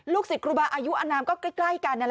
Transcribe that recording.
ลูกศิษย์ครูบาอายุอนามก็ใกล้กัน